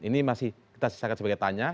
ini masih kita sisakan sebagai tanya